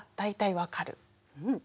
うん。